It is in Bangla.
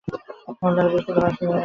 মুষলধারে বৃষ্টিতে পৃথিবী ভাসিয়া যাইতেছে ।